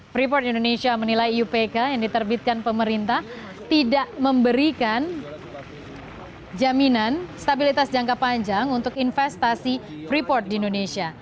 freeport indonesia menilai iupk yang diterbitkan pemerintah tidak memberikan jaminan stabilitas jangka panjang untuk investasi freeport di indonesia